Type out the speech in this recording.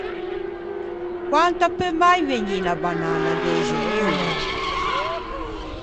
Quant’a peu mai vegnî unna bananna, dexe euro?